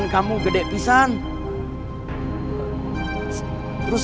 kamu masih bisa berdiri